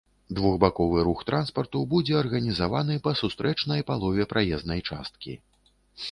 Двухбаковы рух транспарту будзе арганізаваны па сустрэчнай палове праезнай часткі.